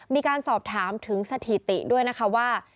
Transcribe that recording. มีการสอบถามถึงสถิติด้วยนะคะว่า